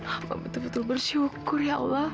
aku betul betul bersyukur ya allah